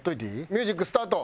ミュージックスタート！